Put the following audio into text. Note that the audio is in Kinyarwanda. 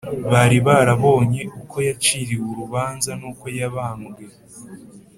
bari barabonye uko yaciriwe urubanza n’uko yabambwe